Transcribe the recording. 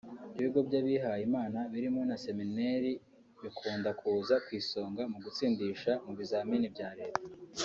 Ibigo by’abihayimana birimo na seminari bikunda kuza ku isonga mu gutsindisha mu bizamini bya Leta